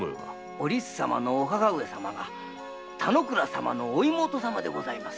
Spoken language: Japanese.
お律様のお母上様が田之倉様のお妹様でございます。